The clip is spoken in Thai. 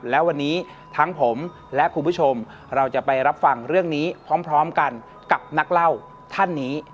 และวันนี้ทั้งผมและคุณผู้ชมเราจะไปรับฟังเรื่องนี้พร้อมกันกับนักเล่าท่านนี้